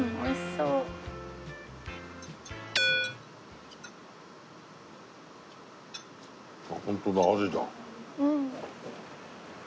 うん。